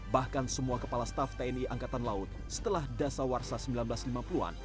bahkan semua kepala staf tni angkatan laut setelah dasar warsa seribu sembilan ratus lima puluh an